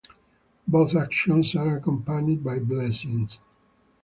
Both actions are accompanied by blessings.